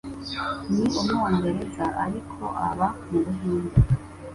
Ni umwongereza, ariko aba mu Buhinde.